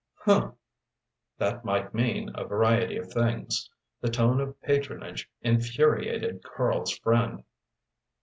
"Huh!" that might mean a variety of things. The tone of patronage infuriated Karl's friend.